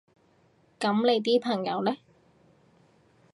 噉你啲朋友呢？